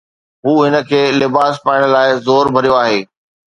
هو هن کي لباس پائڻ لاءِ زور ڀريو آهي.